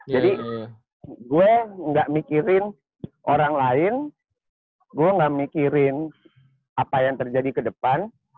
jadi gue gak mikirin orang lain gue gak mikirin apa yang terjadi kedepan